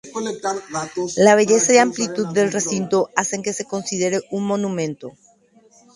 La belleza y amplitud del recinto hacen que se le considere un monumento.